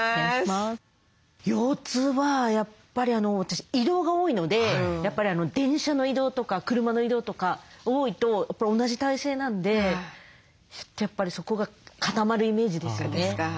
腰痛はやっぱり私移動が多いので電車の移動とか車の移動とか多いと同じ体勢なんでちょっとやっぱりそこが固まるイメージですよね。